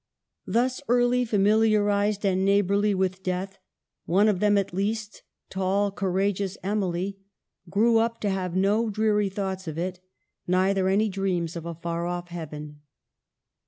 Thus early familiarized and neighborly with death, one of them at least, tall, courageous Emily, grew up to have no dreary thoughts of it, neither any dreams of a far off heaven.